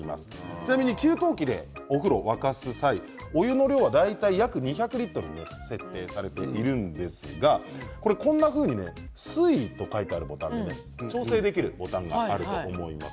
ちなみに給湯器でお風呂を沸かす際お湯の量は大体約２００リットルに設定されているんだそうですがこんなふうに水位と書いてあるボタンで調整できるボタンがあると思います。